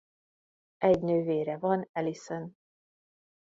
Egy nővére van Allison.